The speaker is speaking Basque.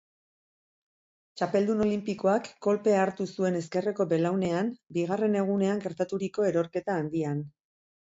Txapeldun olinpikoak kolpea hartu zuen ezkerreko belaunan bigarren egunan gertaturiko erorketa handian.